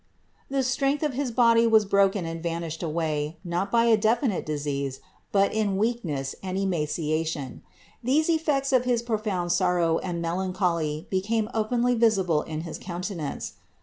The strength of his body was broken and vanished away, not by a definite disease, but in weakness 312 THE INCARNATION 313 and emaciation. These effects of his profound sorrow and melancholy became openly visible in his countenance.